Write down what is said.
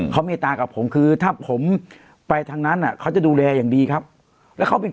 เขาเมตตากับผมคือถ้าผมไปทางนั้นอ่ะเขาจะดูแลอย่างดีครับแล้วเขาเป็น